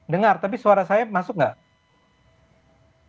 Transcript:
dengar tapi suara saya masuk nggak